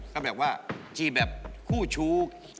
คือพี่แบบคู่ชู้